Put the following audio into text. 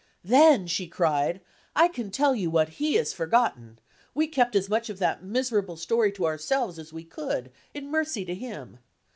"Then," she cried, "I can tell you what he has forgotten! We kept as much of that miserable story to ourselves as we could, in mercy to him.